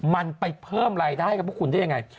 มันไปเพิ่มรายได้กับคุณได้อย่างไร